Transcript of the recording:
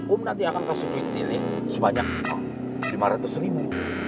um nanti akan kasih pilih sebanyak lima ratus ribu